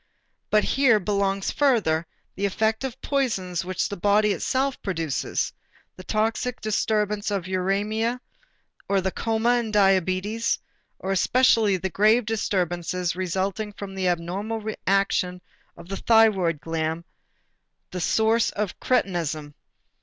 But here belongs further the effect of poisons which the body itself produces: the toxic disturbance of uræmia or the coma in diabetes, or especially the grave disturbances resulting from the abnormal action of the thyroid gland, the source of cretinism.